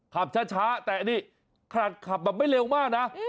ขับช้าแต่นี่ขับไม่เร็วมากนะ